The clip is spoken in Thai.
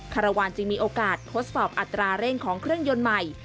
คารวาลจึงมีโอกาสทดสอบอัตราเร่งของเครื่องยนต์ใหม่